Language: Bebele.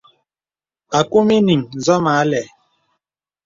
Akūm ìyìŋ ǹsɔ̀ mə àlɛ̂.